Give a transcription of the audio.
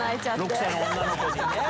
６歳の女の子にね！